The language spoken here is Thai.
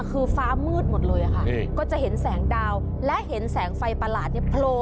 มันก็เหมือนจะไม่ใช่แต่มันแบบแปลกแปลกแปลก